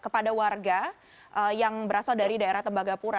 kepada warga yang berasal dari daerah tembagapura